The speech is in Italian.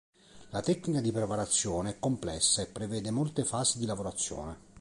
La tecnica di preparazione è complessa e prevede molte fasi di lavorazione.